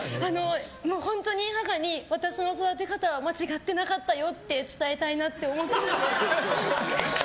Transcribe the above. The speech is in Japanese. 本当に母に、私の育て方は間違ってなかったよって伝えたいなって思ってます。